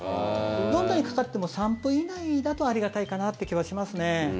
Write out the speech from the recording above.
どんなにかかっても３分以内だとありがたいかなという気はしますね。